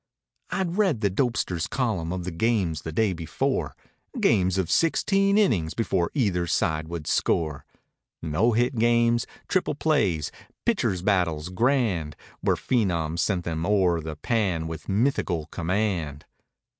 I'd read the dopester's column of the games the day before; Games of sixteen innings before either side would score; No hit games; triple plays; pitcher's battles grand, Where phenoms sent them o'er the pan with mythical command.